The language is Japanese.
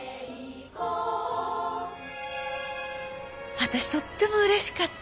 私とってもうれしかった。